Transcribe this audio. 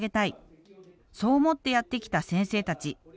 そう思ってやって来た先生たち。